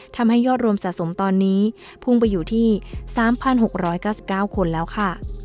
ทำให้ยอดรวมสะสมตอนนี้พุ่งไปอยู่ที่๓๖๙๙คนแล้วค่ะ